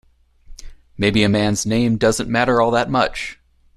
Maybe a man's name doesn't matter all that much.